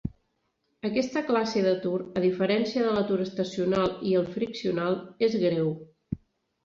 Aquesta classe d'atur, a diferència de l'atur estacional i el friccional, és greu.